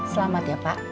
selamat ya pak